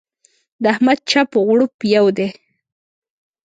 د احمد چپ و غړوپ يو دی.